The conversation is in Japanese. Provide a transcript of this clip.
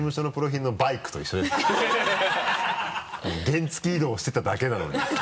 原付移動してただけなのに。